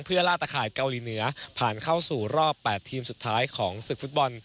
เพื่อล่าตะข่ายเกาหลีเหนือผ่านเข้าสู่รอบ๘ทีมสุดท้ายของศึกฟุตบอล